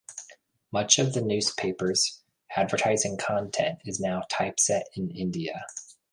Much of the newspaper's advertising content is now typeset in India.